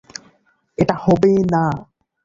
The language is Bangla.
এটা হবে না।